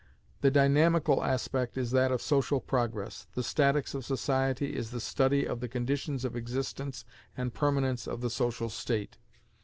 The dynamical aspect is that of social progress. The statics of society is the study of the conditions of existence and permanence of the social state.